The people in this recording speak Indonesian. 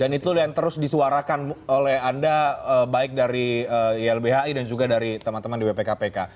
dan itu yang terus disuarakan oleh anda baik dari ilbhi dan juga dari teman teman di wpkpk